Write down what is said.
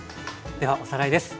ではおさらいです。